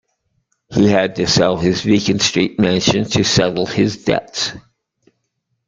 He had to sell his Beacon Street mansion to settle his debts.